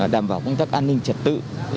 đảm bảo công tác an ninh trật tự